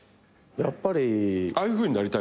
やっぱり。